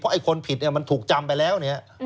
เพราะคนผิดมันถูกจำไปแล้ว